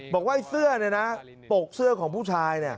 บอกว่าเสื้อนะคะเปลิกเสื้อของผู้ชาย